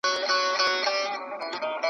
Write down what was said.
ونه یم د پاڼ پر سر کږه یمه نړېږمه .